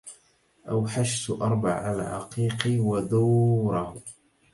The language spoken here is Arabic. أوحشت أربع العقيق ودوره